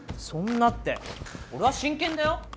そんなって俺は真剣だよ！